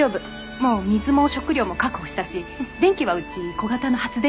もう水も食料も確保したし電気はうち小型の発電機あるから。